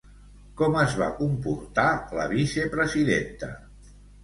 Com es va comportar la vicepresidenta?